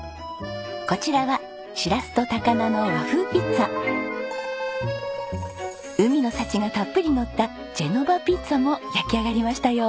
こちらは海の幸がたっぷりのったジェノバピッツァも焼き上がりましたよ。